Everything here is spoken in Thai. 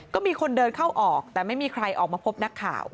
ก็มีคนเดินเข้าออกแต่ไม่มีใครออกมาพบนักข่าว